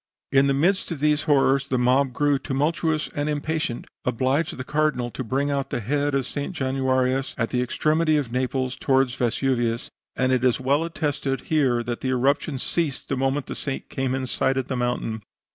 "In the midst of these horrors, the mob, growing tumultuous and impatient, obliged the Cardinal to bring out the head of St. Januarius, at the extremity of Naples, toward Vesuvius; and it is well attested here that the eruption ceased the moment the saint came in sight of the mountain.